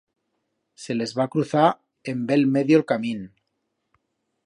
Se les va cruzar en bel medio el camín.